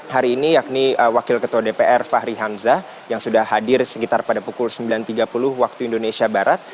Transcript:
hari ini yakni wakil ketua dpr fahri hamzah yang sudah hadir sekitar pada pukul sembilan tiga puluh waktu indonesia barat